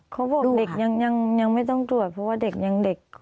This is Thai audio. เขาบอกเด็กยังไม่ต้องตรวจเพราะว่าเด็กยังเด็ก